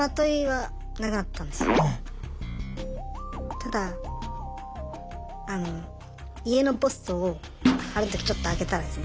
ただあの家のポストをある時ちょっと開けたらですね